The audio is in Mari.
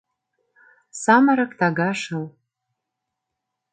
Самырык тага шыл.